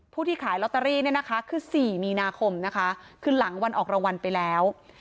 ที่ขายลอตเตอรี่เนี่ยนะคะคือ๔มีนาคมนะคะคือหลังวันออกรางวัลไปแล้ว